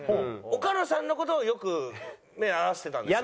岡野さんの事はよく目合わせてたんですけど。